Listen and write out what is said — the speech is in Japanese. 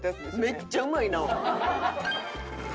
めっちゃうまいな！